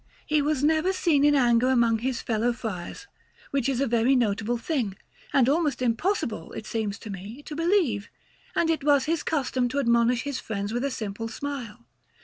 He was never seen in anger among his fellow friars, which is a very notable thing, and almost impossible, it seems to me, to believe; and it was his custom to admonish his friends with a simple smile.